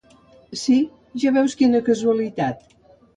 —Sí, ja veus quina casualitat.